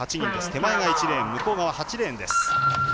手前が１レーン向こう側８レーンです。